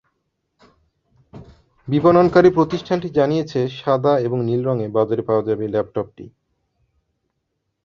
বিপণনকারী প্রতিষ্ঠানটি জানিয়েছে, সাদা এবং নীল রঙে বাজারে পাওয়া যাবে ল্যাপটপটি।